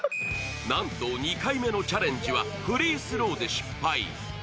なんと、２回目のチャレンジはフリースローで失敗。